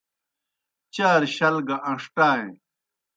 چار شل گہ اݩݜٹائیں۔